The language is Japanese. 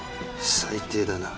最低だな。